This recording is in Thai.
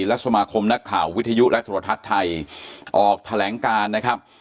และสมาคมนักข่าววิทยุและโทรทัศน์ไทยออกแถลงการนะครับ